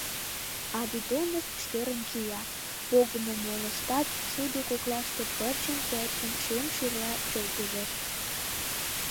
А бидонышт шӧрын кия, погымо молыштат шудо коклаште пырчын-пырчын шем шерла чолгыжеш.